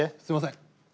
すいません。